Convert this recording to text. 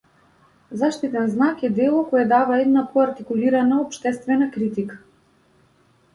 Заштитен знак е дело кое дава една поартикулирана општествена критика.